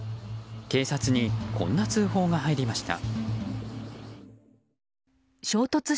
警察にこんな通報が入りました。